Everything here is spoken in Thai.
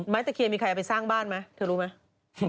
ตะเคียนมีใครเอาไปสร้างบ้านไหมเธอรู้ไหม